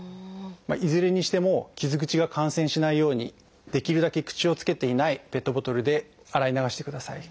いずれにしても傷口が感染しないようにできるだけ口をつけていないペットボトルで洗い流してください。